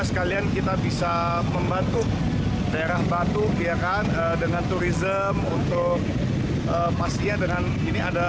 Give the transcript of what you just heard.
sekalian kita bisa membantu daerah batu biarkan dengan turisme untuk pastinya dengan ini ada